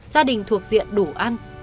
gia đình thuộc diện đủ ăn